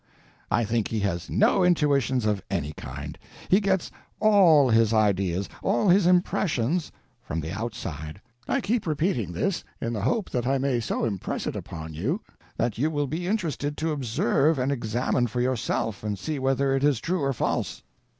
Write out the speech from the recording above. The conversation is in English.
I think he has no intuitions of any kind. He gets _all _his ideas, all his impressions, from the outside. I keep repeating this, in the hope that I may impress it upon you that you will be interested to observe and examine for yourself and see whether it is true or false.